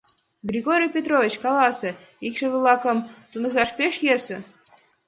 — Григорий Петрович, каласе, икшыве-влакым туныкташ пеш йӧсӧ?